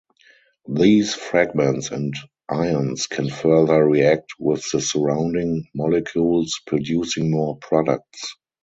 These fragments and ions can further react with the surrounding molecules producing more products.